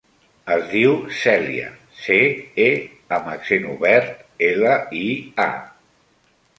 Es diu Cèlia: ce, e amb accent obert, ela, i, a.